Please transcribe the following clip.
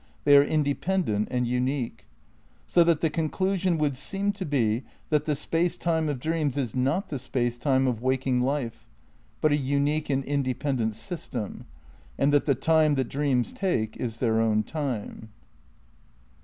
They are independent and unique. So that the conclusion would seem to be that the space time of dreams is not the space time of waking life, but a unique and independent system, and that the time that dreams take is their own time.